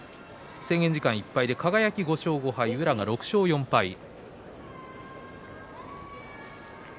制限時間いっぱい輝５勝５敗宇良、６勝４敗です。